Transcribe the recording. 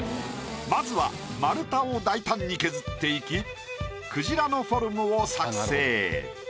まずは丸太を大胆に削っていきクジラのフォルムを作製。